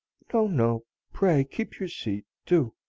No, no, pray keep your seat, do!